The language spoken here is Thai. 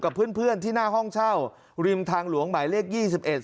เพื่อนที่หน้าห้องเช่าริมทางหลวงหมายเลขยี่สิบเอ็ด